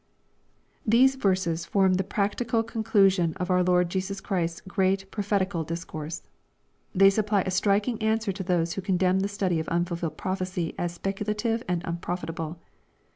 These verses form the practical conclusion of our Lord Jesus Christ's great prophetical discourse. They supply a striking answer to those who condemn the study of unfulfilled prophecy as speculative and unprofitable.